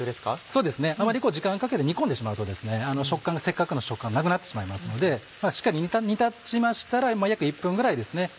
そうですねあまり時間をかけて煮込んでしまうとせっかくの食感なくなってしまいますのでしっかり煮立ちましたら約１分ぐらいですね